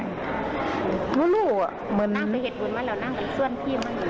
นั่งไปเห็นบุญมาแล้วนั่งไปส่วนพี่มาแล้ว